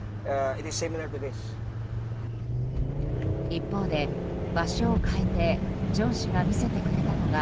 一方で、場所を変えてジョン氏が見せてくれたのが